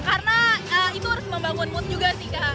karena itu harus membangun mood juga sih kak